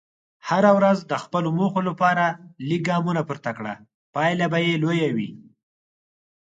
هره ورځ د خپلو موخو لپاره لږ ګامونه پورته کړه، پایله به لویه وي.